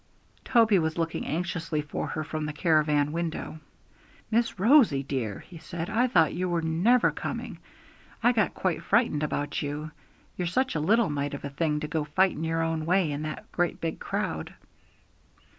Toby was looking anxiously for her from the caravan window. 'Miss Rosie dear,' he said, 'I thought you were never coming; I got quite frightened about you; you're such a little mite of a thing to go fighting your own way in that great big crowd.'